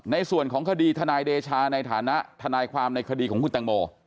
ในส่วนของคดีทนายเดชาในฐานะทนายความในคดีของคุณตังโม